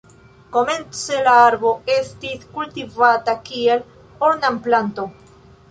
Komence la arbo estis kultivata kiel ornamplanto.